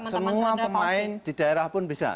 semua pemain di daerah pun bisa